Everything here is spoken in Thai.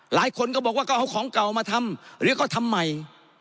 หลายคนก็บอกว่าก็เอาของเก่ามาทำหรือก็ทำใหม่